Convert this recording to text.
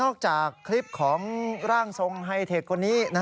จากคลิปของร่างทรงไฮเทคคนนี้